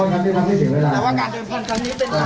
ในไหนกัน